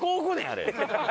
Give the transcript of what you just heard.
あれ。